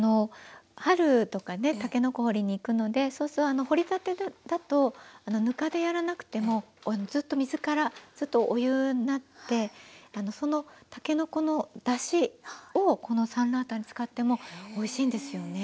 春とかねたけのこ掘りに行くのでそうすると掘りたてだとぬかでやらなくてもずっと水からお湯になってそのたけのこのだしをこのサンラータンに使ってもおいしいんですよね。